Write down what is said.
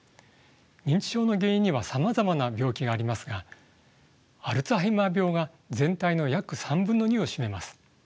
認知症の原因にはさまざまな病気がありますがアルツハイマー病が全体の約３分の２を占めます。